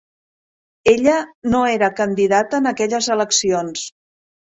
Ella no era candidata en aquelles eleccions.